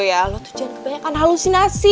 kau itu jadikan halusinasi